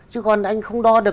chứ còn anh không đo được